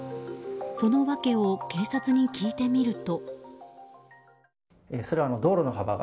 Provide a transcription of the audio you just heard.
その訳を警察に聞いてみると。